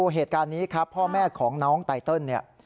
เหตุการณ์นี้ครับพ่อแม่ของน้องไตเติลเนี่ย